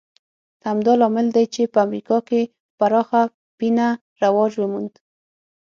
همدا لامل دی چې په امریکا کې په پراخه پینه رواج وموند